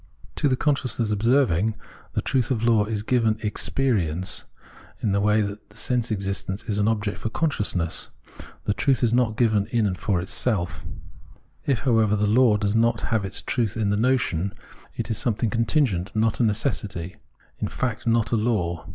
To the consciousness observing, the truth of the law is given in " experience," in the way that sense existence is object for consciousness ; the truth is not given iu and for itself. If, however, the law does not have its truth in the notion, it is something contingent, not a necessity, in fact, not a law.